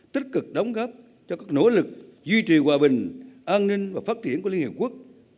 tích cực đóng góp cho các nỗ lực duy trì hòa bình an ninh và phát triển của liên hiệp quốc